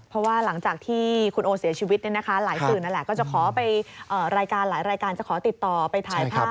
เพราะว่าหลังจากที่คุณโอเสียชีวิตหลายสื่อนั่นแหละก็จะขอไปรายการหลายรายการจะขอติดต่อไปถ่ายภาพ